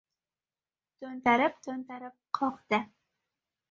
To‘ntarib-to‘ntarib qoqdi.